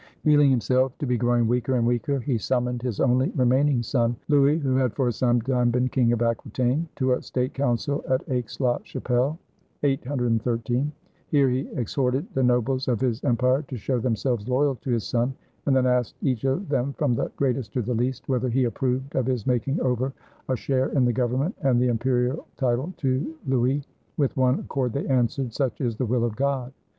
Feeling himself to be growing weaker and weaker, he summoned his only remaining son, Louis, who had for some time been King of Aquitaine, to a State Council at Aix la Chapelle (813). Here he exhorted the nobles of his empire to show themselves loyal to his son, and then asked each of them from the greatest to the least whether he approved of his making over a share in the government and the imperial title to Louis. With one accord they answered: "Such is the will of God!"